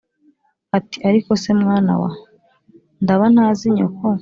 ati ariko se mwana wa, ndaba ntazi nyoko